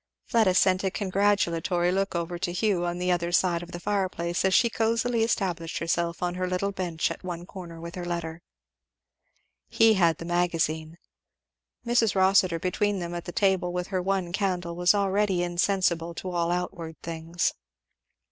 Fleda sent a congratulatory look over to Hugh on the other side of the fireplace as she cosily established herself on her little bench at one corner with her letter; he had the Magazine. Mrs. Rossitur between them at the table with her one candle was already insensible to all outward things.